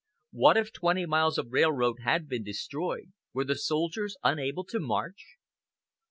What if twenty miles of railroad had been destroyed, were the soldiers unable to march?